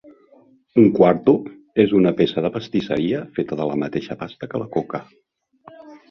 Un quarto és una peça de pastisseria feta de la mateixa pasta que la coca.